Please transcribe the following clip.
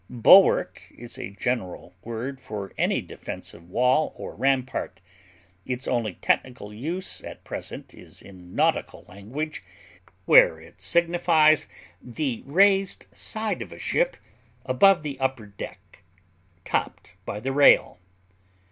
Bulwark is a general word for any defensive wall or rampart; its only technical use at present is in nautical language, where it signifies the raised side of a ship above the upper deck, topped by the rail.